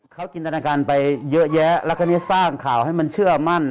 เขาจินตนาการไปเยอะแยะแล้วก็นี้สร้างข่าวให้มันเชื่อมั่น